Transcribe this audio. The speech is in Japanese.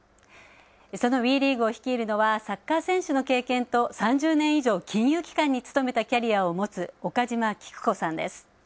そのＷＥリーグを率いるのは、サッカー選手の経験と３０年以上、金融機関に勤めたキャリアを持つ岡島喜久子さんです。